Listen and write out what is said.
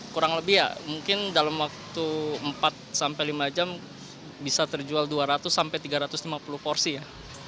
kurang lebih ya mungkin dalam waktu empat sampai lima jam bisa terjual dua ratus sampai tiga ratus lima puluh porsi ya